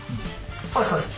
そうですそうです。